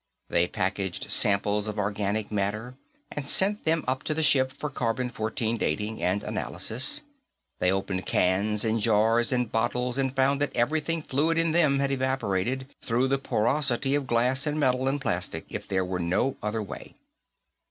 They packaged samples of organic matter and sent them up to the ship for Carbon 14 dating and analysis; they opened cans and jars and bottles, and found that everything fluid in them had evaporated, through the porosity of glass and metal and plastic if there were no other way.